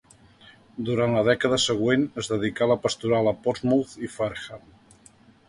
Durant la dècada següent es dedicà a la pastoral a Portsmouth i Fareham.